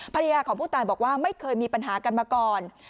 ภรรยาของผู้ตายบอกว่าไม่เคยมีปัญหากันมาก่อน